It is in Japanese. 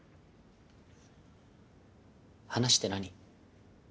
話って何？